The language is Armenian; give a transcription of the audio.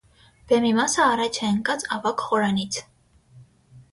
Բեմի մասը առաջ է ընկած ավագ խորանից։